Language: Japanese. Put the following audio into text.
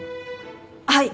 はい！